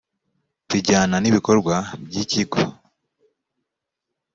bijyana n ibikorwa by ikigo